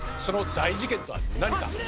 その大事件とは何か？